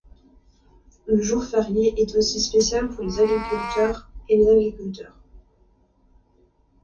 Le jour férié est aussi spécial pour les agriculteurs et les agriculteurs.